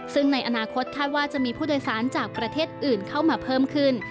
ซึ่งในอนาคตคาดว่าจะมีผู้โดยสารจากประเทศอื่นเข้ามาเพิ่มขึ้น